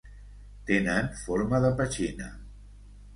Tenen forma de petxina.